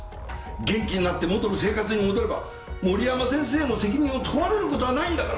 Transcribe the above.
元気になって元の生活に戻れば森山先生の責任を問われる事はないんだから。